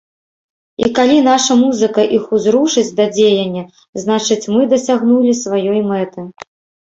І калі наша музыка іх узрушыць да дзеяння, значыць мы дасягнулі сваёй мэты.